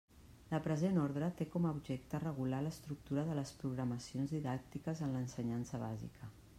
La present orde té com a objecte regular l'estructura de les programacions didàctiques en l'ensenyança bàsica.